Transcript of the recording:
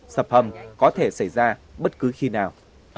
sập hầm có thể xảy ra bất cứ khi nào